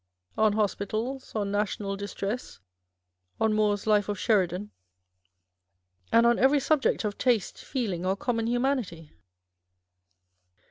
257 on Hospitals, on National Distress, on Moore's Life of Sheridan, and on every subject of taste, feeling, or common liumanity.